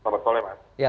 selamat sore mas